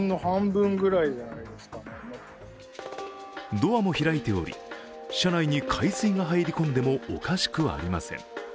ドアも開いており、車内に海水が入り込んでもおかしくありません。